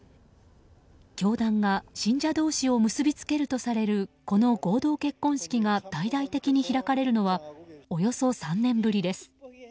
教団が信者同士を結び付けるとされるこの合同結婚式が大々的に開かれるのはおよそ３年ぶりです。